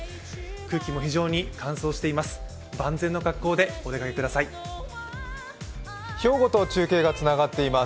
空気も非常に乾燥しています。